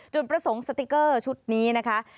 จุดประสงค์สติ๊กเกอร์ชุดนี้นะคะ